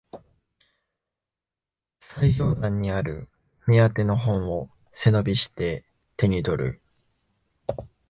最上段にある目当ての本を背伸びして手にとる